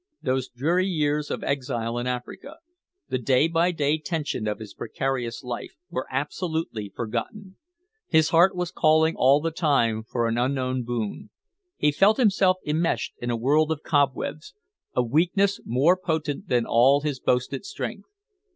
Those dreary years of exile in Africa, the day by day tension of his precarious life, were absolutely forgotten. His heart was calling all the time for an unknown boon. He felt himself immeshed in a world of cobwebs, of weakness more potent than all his boasted strength.